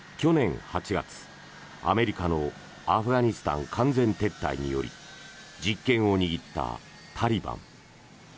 去年８月、アメリカのアフガニスタン完全撤退により実権を握ったタリバン。